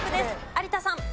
有田さん。